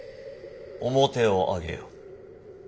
面を上げよ。